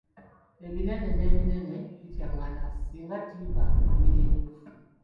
Ebinene n'ebinene bityaŋŋana, singa ttimba amira enjovu